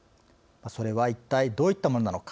それは一体どういったものなのか